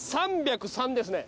３０３ですね。